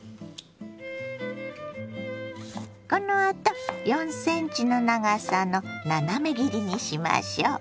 このあと４ｃｍの長さの斜め切りにしましょ。